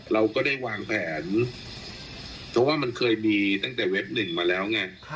เราก็ได้วางแผนเพราะว่ามันเคยมีตั้งแต่เว็บหนึ่งมาแล้วไง